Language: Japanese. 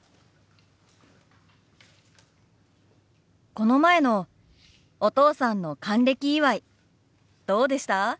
この前のお父さんの還暦祝どうでした？